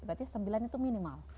berarti sembilan itu minimal